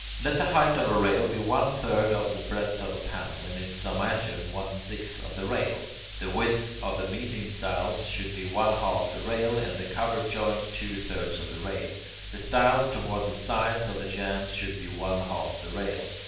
Let the height of a rail be one third of the breadth of a panel, and its cymatium one sixth of the rail. The width of the meeting stiles should be one half the rail, and the cover joint two thirds of the rail. The stiles toward the side of the jambs should be one half the rail.